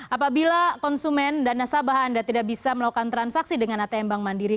apabila konsumen dan nasabah anda tidak bisa melakukan transaksi dengan atm bank mandiri